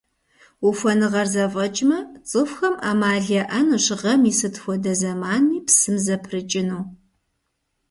Ухуэныгъэр зэфӀэкӀмэ, цӀыхухэм Ӏэмал яӀэнущ гъэм и сыт хуэдэ зэманми псым зэпрыкӀыну.